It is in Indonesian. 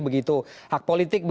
begitu hak politik